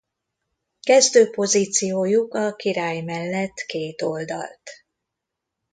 Kezdő pozíciójuk a király mellett kétoldalt.